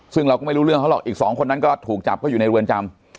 ซึ่งเราก็ไม่รู้เรื่องเขาหรอกอีกสองคนนั้นก็ถูกจับก็อยู่ในเรือนจำ